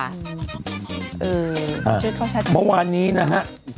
เมื่อวานนี้นะฮะ